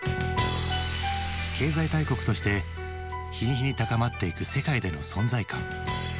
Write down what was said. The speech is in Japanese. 経済大国として日に日に高まっていく世界での存在感。